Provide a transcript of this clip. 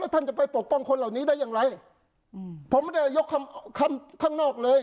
ท่านจะไปปกป้องคนเหล่านี้ได้อย่างไรอืมผมไม่ได้ยกคำคำข้างนอกเลย